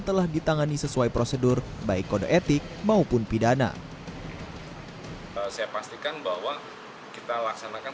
telah ditangani sesuai prosedur baik kode etik maupun pidana saya pastikan bahwa kita laksanakan